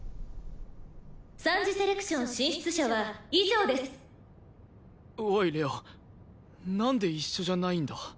「三次セレクション進出者は以上です」おい玲王なんで一緒じゃないんだ？